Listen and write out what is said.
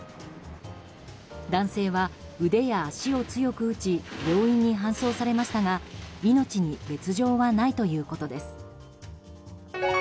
男性は腕や足を強く打ち病院に搬送されましたが命に別状はないということです。